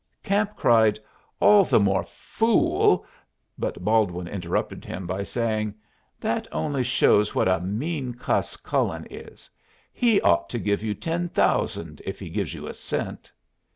Camp cried, "All the more fool " but Baldwin interrupted him by saying, "That only shows what a mean cuss Cullen is. He ought to give you ten thousand, if he gives you a cent."